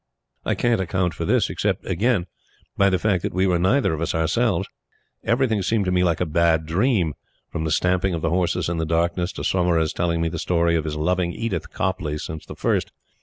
I can't account for this except, again, by the fact that we were neither of us ourselves. Everything seemed to me like a bad dream from the stamping of the horses in the darkness to Saumarez telling me the story of his loving Edith Copleigh since the first.